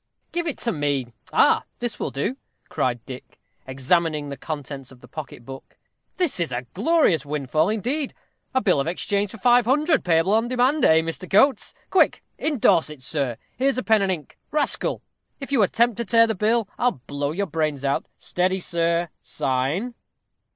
"Give it me. Ah! this will do," cried Dick, examining the contents of the pocket book. "This is a glorious windfall indeed; a bill of exchange for 500_l._, payable on demand, eh, Mr. Coates? Quick! indorse it, sir. Here's pen and ink. Rascal! if you attempt to tear the bill, I'll blow your brains out. Steady, sir, sign.